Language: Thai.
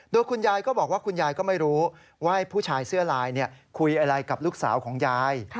โดยคุณยายก็บอกว่าคุณยายก็ไม่รู้ว่าผู้ชายเสื้อลายคุยอะไรกับลูกสาวของยาย